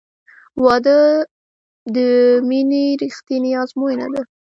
• واده د مینې رښتینی ازموینه ده.